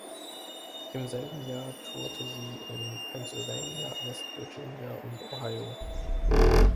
Im selben Jahr tourte sie in Pennsylvania, West Virginia und Ohio.